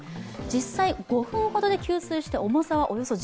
実際、５分ほどで吸水して重さは１７ｋｇ。